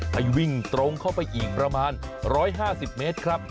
ให้วิ่งตรงเข้าไปอีกประมาณ๑๕๐เมตรครับ